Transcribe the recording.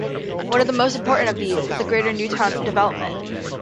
One of the most important of these is the Greater Newtown Development.